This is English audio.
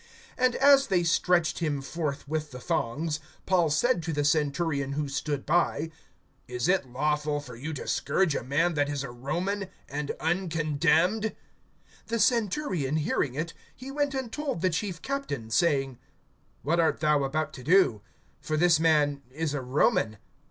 (25)And as they stretched him forth with the thongs[22:25], Paul said to the centurion who stood by: Is it lawful for you to scourge a man that is a Roman, and uncondemned? (26)The centurion, hearing it, he went and told the chief captain, saying: What art thou about to do? For this man is a Roman.